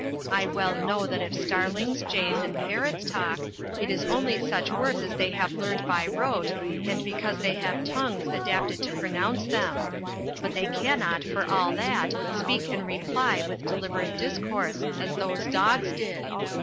I well know that if starlings, jays, and parrots talk, it is only such words as they have learned by rote, and because they have tongues adapted to pronounce them; but they cannot, for all that, speak and reply with deliberate discourse as those dogs did.